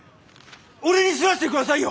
俺に刷らせてくださいよ！